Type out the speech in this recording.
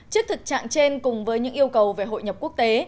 trước thực trạng trên cùng với những yêu cầu về hội nhập quốc tế